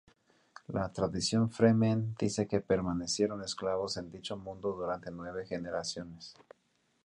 La tradición "Fremen" dice que permanecieron esclavos en dicho mundo durante nueve generaciones.